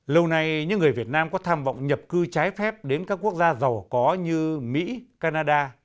lâu nay những người việt nam có tham vọng nhập cư trái phép đến các quốc gia giàu có như mỹ canada